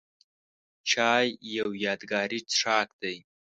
چای یو یادګاري څښاک دی.